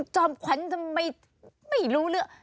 จอมขวัญทำไมไม่รู้เรื่อง